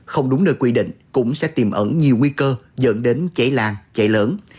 không đúng nơi quy định cũng sẽ tìm ẩn nhiều nguy cơ dẫn đến cháy lan cháy lớn